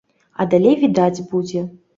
А далей відаць будзе.